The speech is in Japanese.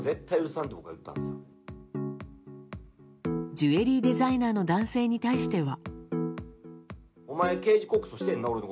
ジュエリーデザイナーの男性に対しては。